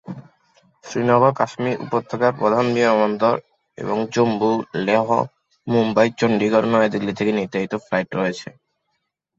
শ্রীনগর কাশ্মীর উপত্যকার প্রধান বিমানবন্দর এবং জম্মু, লেহ, মুম্বাই, চণ্ডীগড় এবং নয়াদিল্লি থেকে নির্ধারিত ফ্লাইট রয়েছে।